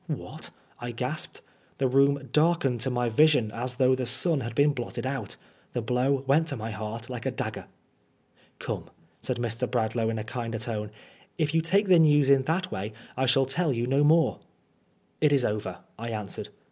'"" What I" I gasped. The room darkened to my vision as though the sun had been blotted out. The blow went to my heart like a dagger. " Come," said Mr. Bradlangh in a kinder tone, " if you take the news in that way I shall tell you no more." " It is over," I answered.